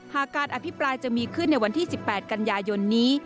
การอภิปรายจะมีขึ้นในวันที่๑๘กันยายนนี้